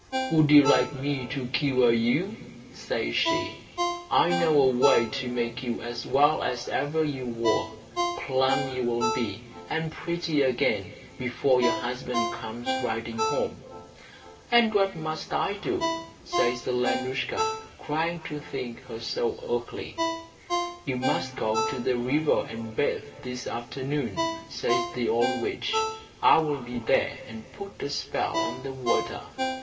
"Would you like me to cure you?" says she. "I know a way to make you as well as ever you were. Plump you will be, and pretty again, before your husband comes riding home." "And what must I do?" says Alenoushka, crying to think herself so ugly. "You must go to the river and bathe this afternoon," says the old witch. "I will be there and put a spell on the water.